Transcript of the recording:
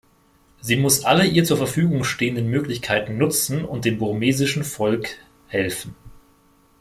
Sie muss alle ihr zur Verfügung stehenden Möglichkeiten nutzen und dem burmesischen Volk helfen.